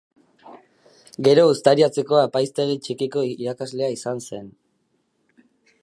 Gero Uztaritzeko Apaizgaitegi Txikiko irakasle izan zen.